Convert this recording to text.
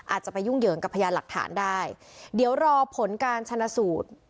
อาจจะไปยุ่งเหยิงกับพยานหลักฐานได้เดี๋ยวรอผลการชนะสูตร